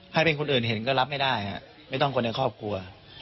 ให้เป็นคนอื่นเห็นก็รับไม่ได้ไม่ต้องคนในครอบครัว